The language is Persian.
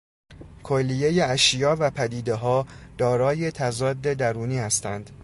کلیهٔ اشیا و پدیده ها دارای تضاد درونی هستند.